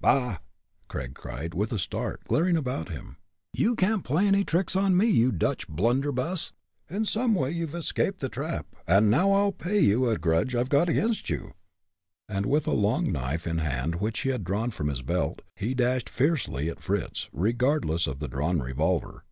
"Bah!" Gregg cried, with a start, glaring about him. "You can't play any tricks on me, you Dutch blunderbuss! In some way you've escaped the trap, and now I'll pay you a grudge I've got against you." And with a long knife in hand which he had drawn from his belt, he dashed fiercely at Fritz, regardless of the drawn revolver.